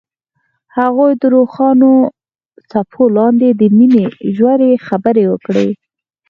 هغوی د روښانه څپو لاندې د مینې ژورې خبرې وکړې.